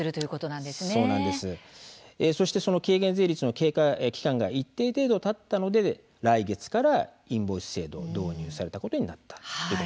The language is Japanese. そして軽減税率の経過期間が一定程度たったので来月からインボイス制度が導入されることになりました。